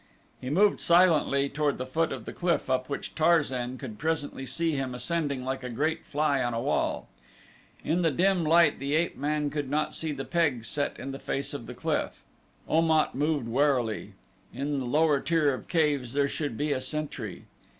He moved silently toward the foot of the cliff up which Tarzan could presently see him ascending like a great fly on a wall. In the dim light the ape man could not see the pegs set in the face of the cliff. Om at moved warily. In the lower tier of caves there should be a sentry.